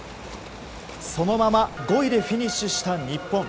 そのまま５位でフィニッシュした日本。